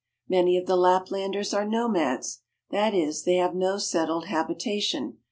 Many of the Laplanders are nomads ; that is, they have no settled habitation.